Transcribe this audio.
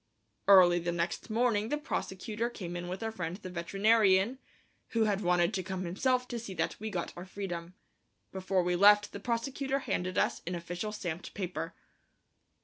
Early the next morning the prosecutor came in with our friend the veterinarian, who had wanted to come himself to see that we got our freedom. Before we left, the prosecutor handed us an official stamped paper.